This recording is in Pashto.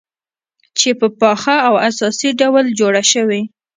چې په پاخه او اساسي ډول جوړه شوې،